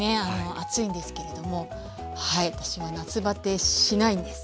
暑いんですけれどもはい私は夏バテしないんです。